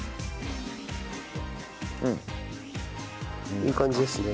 いい感じですね。